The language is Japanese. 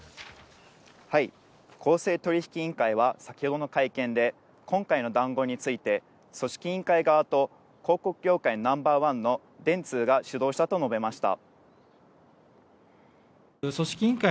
公正取引委員会は先ほどの会見で今回の談合について組織委員会側と広告業界ナンバーワンの電通が主導したと述べました。